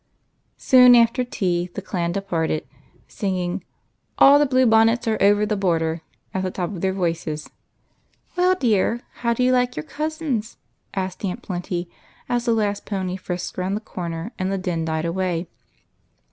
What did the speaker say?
Soon after tea the Clan departed, singing " All the blue bonnets are over the border " at the tops of their voices. " Well, dear, how do you like your cousins ?" asked Aunt Plenty, as the last pony frisked round the corner and the din died away.